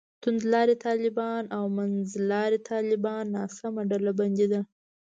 توندلاري طالبان او منځلاري طالبان ناسمه ډلبندي ده.